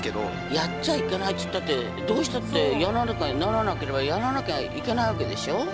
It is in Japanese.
やっちゃいけないっていったってどうしたってやらなきゃいけなければやらなきゃいけないわけでしょ。